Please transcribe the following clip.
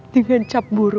dengan cap buruk